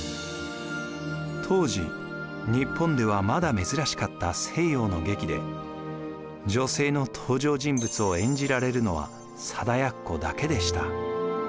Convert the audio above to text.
当時日本ではまだ珍しかった西洋の劇で女性の登場人物を演じられるのは貞奴だけでした。